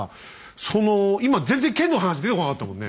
その今全然剣の話出てこなかったもんね。